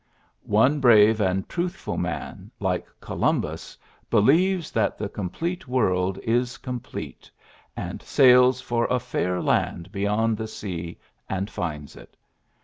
^ One brave and truthful man like Columbus believes that the complet e world is com plete, and sails for a fair land beyond the sea, and finds it.